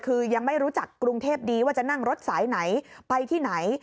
คือยังไม่รู้จักกรุงเทพดีว่าจะนั่งรถสายไหนไปที่ไหน